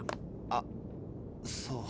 あっそう。